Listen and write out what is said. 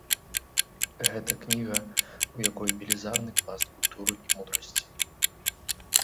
Гэта кніга, у якой велізарны пласт культуры і мудрасці.